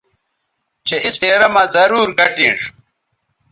چہء اِس پھیرہ مہ ضرور گٹینݜ